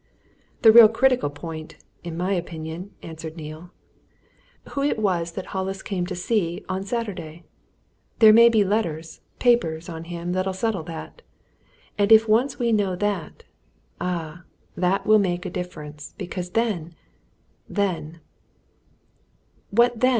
"The real critical point in my opinion," answered Neale. "Who it was that Hollis came to see on Saturday? There may be letters, papers, on him that'll settle that. And if we once know that ah! that will make a difference! Because then then " "What then?"